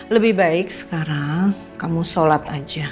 lebih baik sekarang kamu sholat aja